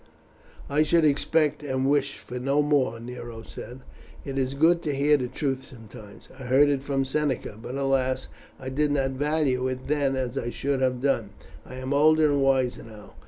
"I should expect and wish for no more," Nero said. "It is good to hear the truth sometimes. I heard it from Seneca; but, alas! I did not value it then as I should have done. I am older and wiser now.